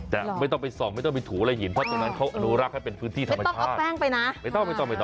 แต่ไม่ต้องไปส่องไม่ต้องไปถูอะไรหินเพราะตรงนั้นเขาอนุรักษ์ให้เป็นพื้นที่ธรรมชาติ